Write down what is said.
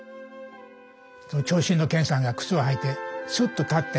長身の健さんが靴を履いてすっと立ってね。